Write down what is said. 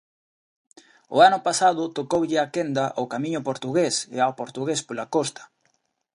O ano pasado tocoulle a quenda ao Camiño portugués e ao Portugués pola costa.